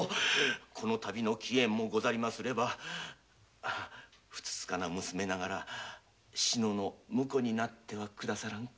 この度の奇縁もありますればふつつかな娘ながら志乃の婿になっては下さらんか？